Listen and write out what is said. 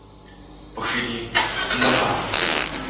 Po chwili: — No, pa.